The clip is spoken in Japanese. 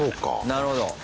なるほど。